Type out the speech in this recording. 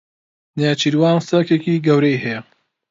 نێچیروان سەگێکی گەورەی هەیە.